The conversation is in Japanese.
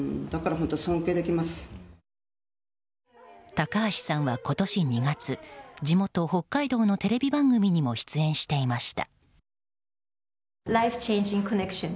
高橋さんは今年２月地元・北海道のテレビ番組にも出演していました。